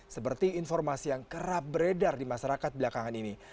seperti informasi yang kerap beredar di masyarakat belakangan ini